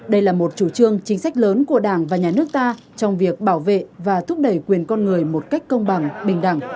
đây là một chủ trương chính sách lớn của đảng và nhà nước ta trong việc bảo vệ và thúc đẩy quyền con người một cách công bằng bình đẳng